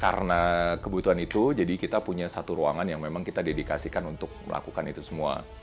karena kebutuhan itu jadi kita punya satu ruangan yang memang kita dedikasikan untuk melakukan itu semua